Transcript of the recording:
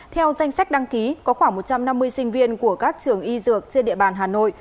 theo danh sách đăng ký có khoảng một trăm năm mươi sinh viên của các trường y dược trên địa bàn hà nội